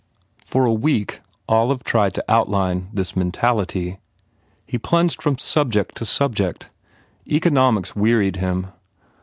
For a week Olive tried to outline this mentality. He plunged from subject to subject. Economics wearied him.